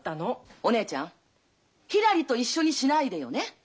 お姉ちゃんひらりと一緒にしないでよね。